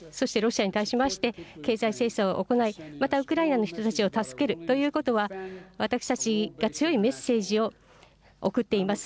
そして、ロシアに対しまして、経済制裁を行い、またウクライナの人たちを助けるということは、私たちが強いメッセージを送っています。